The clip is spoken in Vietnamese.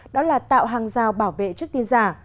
đó là tạo hàng rào bảo vệ trước tin giả